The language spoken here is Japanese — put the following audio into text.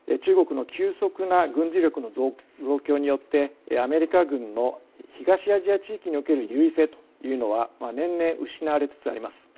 中国の急速な軍事力の増強によってアメリカ軍の東アジア地域における優位性というのは年々失われつつあります。